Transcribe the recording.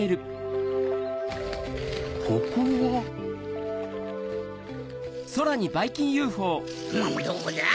ここは。どこだ？